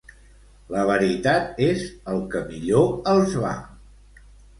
La veritat és el que millor els va.